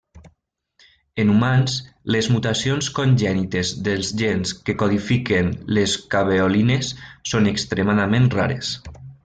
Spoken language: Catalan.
En humans, les mutacions congènites dels gens que codifiquen les caveolines són extremadament rares.